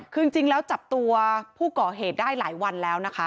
คือจริงแล้วจับตัวผู้ก่อเหตุได้หลายวันแล้วนะคะ